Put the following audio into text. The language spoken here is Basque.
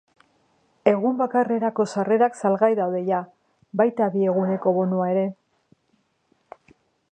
Egun bakarrerako sarrerak salgai daude jada, baita bi eguneko bonua ere.